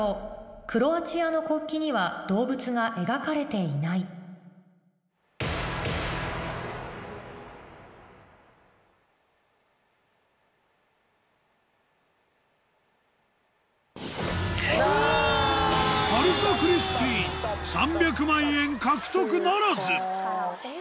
クロアチアの国旗には動物が描かれていない春香クリスティーン３００万円獲得ならずえっ